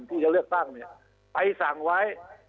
ที่จะเลือกตั้งไปสั่งไว้